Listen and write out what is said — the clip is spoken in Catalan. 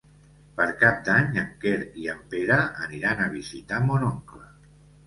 Per Cap d'Any en Quer i en Pere aniran a visitar mon oncle.